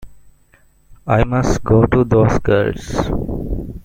I must go to those girls.